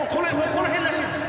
このへんらしいです。